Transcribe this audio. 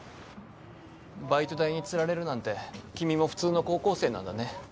バイト代に釣られるなんて君も普通の高校生なんだね。